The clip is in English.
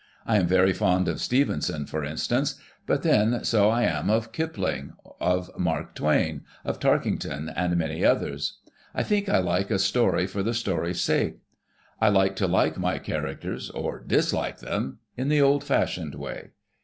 I am very fond of Stevenson, for instance — but then, so I am of Kipling — of Mark Twain, of Tarkington, and many others. I think I like a story for the story's sake. I like to like my characters or dislike them in the old fashioned way.